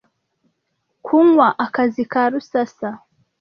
kunywa Akazi ka Rusasa.